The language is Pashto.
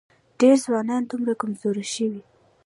ډېری ځوانان دومره کمزوري شوي